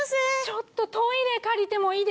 ちょっとトイレ借りてもいいですか？